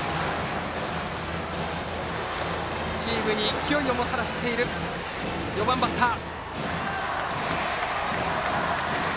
チームに勢いをもたらしている４番バッター。